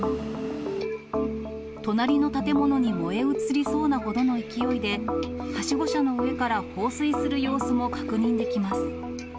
隣の建物に燃え移りそうなほどの勢いで、はしご車の上から放水する様子も確認できます。